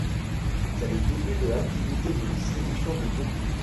C’est le début de l’activité de distribution du Groupe.